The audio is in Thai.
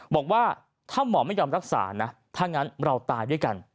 บอกว่าถ้าหมอไม่ยอมรักษานะถ้างั้นเราตายด้วยกัน